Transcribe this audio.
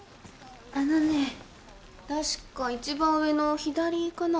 あのね確か一番上の左かな。